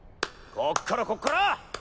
こっからこっから！